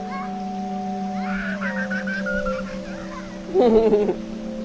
フフフフ。